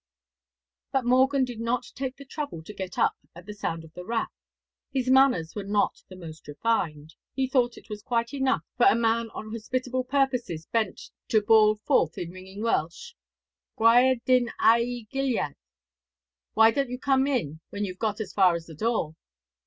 But Morgan did not take the trouble to get up at sound of the rap; his manners were not the most refined; he thought it was quite enough for a man on hospitable purposes bent to bawl forth in ringing Welsh, 'Gwaed dyn a'i gilydd! Why don't you come in when you've got as far as the door?'